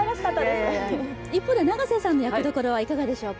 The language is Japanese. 一方で永瀬さんの役どころはいかがでしょうか。